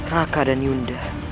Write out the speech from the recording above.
raka dan yunda